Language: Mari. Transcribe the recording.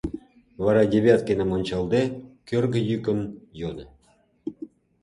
Вара Девяткиным ончалде, кӧргӧ йӱкын йодо: